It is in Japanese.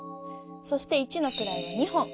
そして一のくらいは２本。